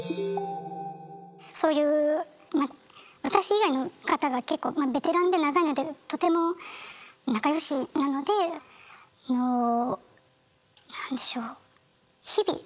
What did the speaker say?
そういう私以外の方が結構ベテランで長いのでとても仲よしなのであのなんでしょう。